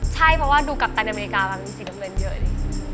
ใช่เพราะว่าดูกัปตันอเมริกามันมีสีน้ำเงินเยอะเลย